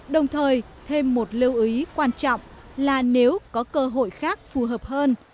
đồng thời thêm một lưu ý quan trọng là nếu có cơ hội khác phù hợp hơn